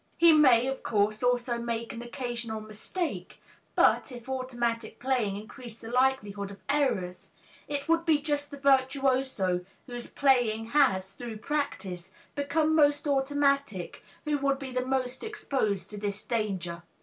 He may, of course, also make an occasional mistake, but if automatic playing increased the likelihood of errors, it would be just the virtuoso whose playing has, through practice, become most automatic, who would be the most exposed to this danger.